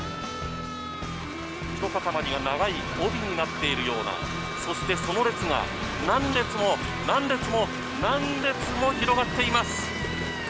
ひと固まりが長い帯になっているようなそしてその列が何列も何列も何列も広がっています。